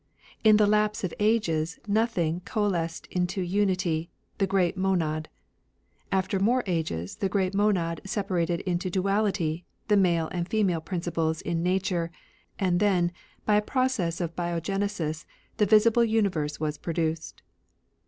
In the lapse of ages Nothing coalesced into Unity, the Great Monad. After more ages, the Great Monad separated into DuaUty, the Male and Female Principles in nature ; and then, by a process of biogenesis, the visible universe was produced.